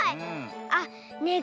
あっねえ